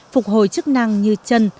phục hồi chức năng như chân